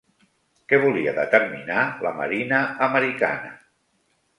Què volia determinar la marina americana?